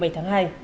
bảy tháng hai